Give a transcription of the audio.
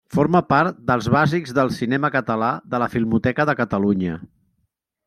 Forma part dels Bàsics del cinema català de la Filmoteca de Catalunya.